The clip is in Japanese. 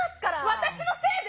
私のせいで？